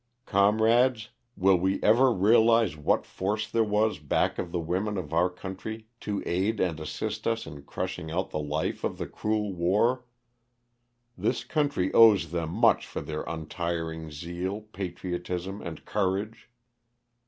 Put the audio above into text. Comrades, will we ever realize what force there was back of the women of our country to aid and assist us in crushing out the life of the cruel war? This country owes them much for their untiring zeal, patriotism and courage.